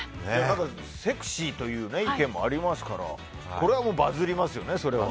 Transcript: セクシーという意見もありますからこれはもう、バズりますよね。